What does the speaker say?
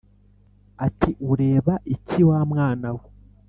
ati ureba iki wa mwana we